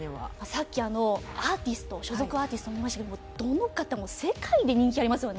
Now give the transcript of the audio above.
さっきあのアーティスト所属アーティストを見ましたけどどの方も世界で人気ありますよね。